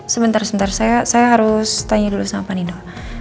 sebentar sebentar saya harus tanya dulu sama pak nino